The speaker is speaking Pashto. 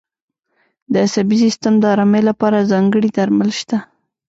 د عصبي سیستم د آرامۍ لپاره ځانګړي درمل شته.